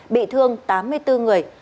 bị thương tám mươi bốn người